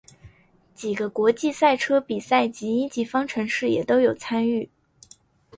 几个国际赛车比赛及一级方程式也都有参与。